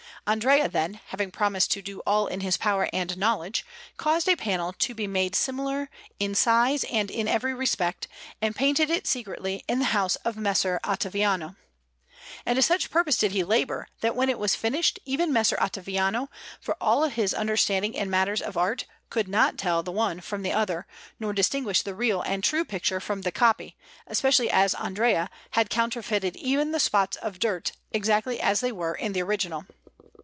Andrea, then, having promised to do all in his power and knowledge, caused a panel to be made similar in size and in every respect, and painted it secretly in the house of Messer Ottaviano. And to such purpose did he labour, that when it was finished even Messer Ottaviano, for all his understanding in matters of art, could not tell the one from the other, nor distinguish the real and true picture from the copy; especially as Andrea had counterfeited even the spots of dirt, exactly as they were in the original.